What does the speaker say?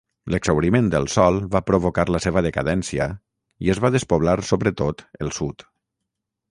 L'exhauriment del sol va provocar la seva decadència i es va despoblar sobretot el sud.